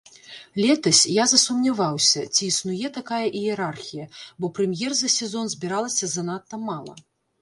Летась я засумняваўся, ці існуе такая іерархія, бо прэм'ер за сезон збіралася занадта мала.